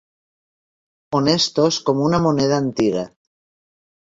Honestos com una moneda antiga.